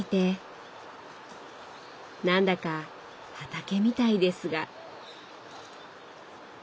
なんだか畑みたいですが。